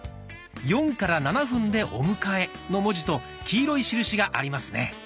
「４７分でお迎え」の文字と黄色い印がありますね。